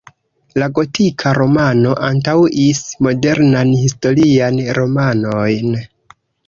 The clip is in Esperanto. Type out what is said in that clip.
La gotika romano antaŭis modernan historian romanon.